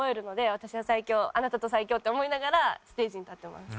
“私は最強”“アナタと最強”」って思いながらステージに立ってます。